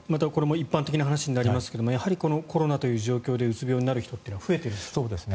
一般的な話になりますがコロナという状況でうつ病になる人は増えているんですか。